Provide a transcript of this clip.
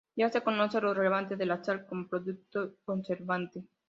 Ya se conoce lo relevante de la sal como producto conservante.